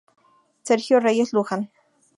Sergio Reyes Luján.